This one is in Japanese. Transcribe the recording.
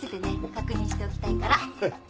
確認しておきたいから。